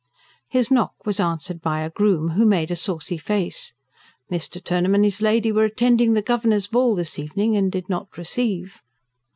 His knock was answered by a groom, who made a saucy face: Mr. Turnham and his lady were attending the Governor's ball this evening and did not receive.